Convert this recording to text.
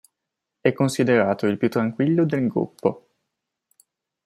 È considerato il più tranquillo del gruppo.